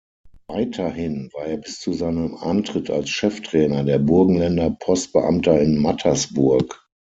Weiterhin war er bis zu seinem Antritt als Cheftrainer der Burgenländer Postbeamter in Mattersburg.